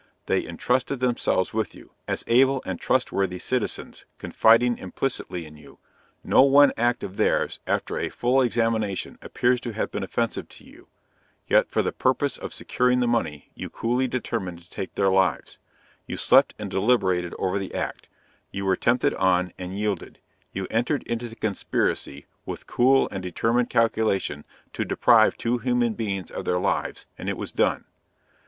They entrusted themselves with you, as able and trustworthy citizens; confiding implicitly in you; no one act of theirs, after a full examination, appears to have been offensive to you; yet for the purpose of securing the money you coolly determined to take their lives you slept and deliberated over the act; you were tempted on, and yielded; you entered into the conspiracy, with cool and determined calculation to deprive two human beings of their lives, and it was done.